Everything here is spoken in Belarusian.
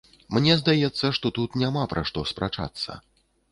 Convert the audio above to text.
Мне здаецца, што тут няма пра што спрачацца.